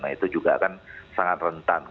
nah itu juga kan sangat rentan